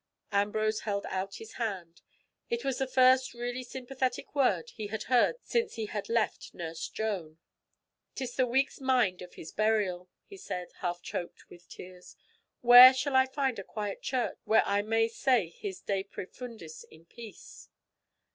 Ambrose held out his hand. It was the first really sympathetic word he had heard since he had left Nurse Joan. "'Tis the week's mind of his burial," he said, half choked with tears. "Where shall I find a quiet church where I may say his De profundis in peace?"